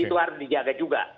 itu harus dijaga juga